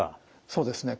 そうですね。